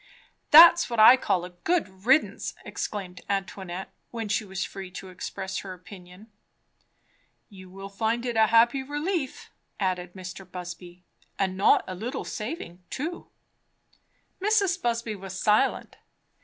"That's what I call a good riddance!" exclaimed Antoinette when she was free to express her opinion. "You will find it a happy relief," added Mr. Busby. "And not a little saving, too." Mrs. Busby was silent.